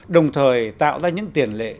đồng thời tạo ra những tiền lệ